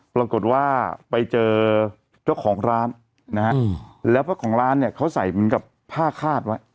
ปรากฏว่าไปเจอเจ้าของร้านนะฮะแล้วเจ้าของร้านเนี่ยเขาใส่เหมือนกับผ้าคาดไว้